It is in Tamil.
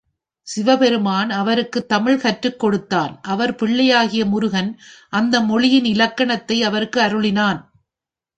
சிவபெருமான் அவருக்குத் தமிழ் கற்றுக் கொடுத்தான் அவர் பிள்ளையாகிய முருகன் அந்த மொழியின் இல்க்கணத்தை அவருக்கு அருளினான்.